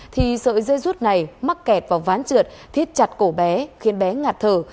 thì sợi dây rút này mắc kẹt vào ván trượt thiết chặt cổ bé khiến bé ngạt thở